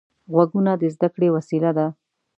غوږونه د زده کړې وسیله ده